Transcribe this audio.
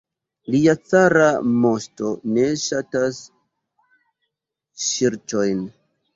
Lia cara moŝto ne ŝatas ŝercojn.